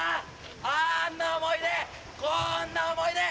あんな思い出こんな思い出！